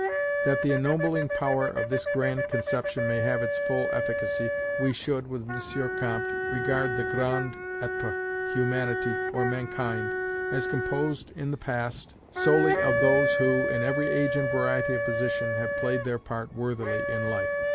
That the ennobling power of this grand conception may have its full efficacy, we should, with M. Comte, regard the Grand Etre, Humanity, or Mankind, as composed, in the past, solely of those who, in every age and variety of position, have played their part worthily in life.